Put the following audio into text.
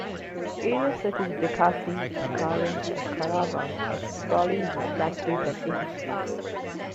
Areas such as Bekasi, Cikarang and Karawang are sprawling with factories and industries.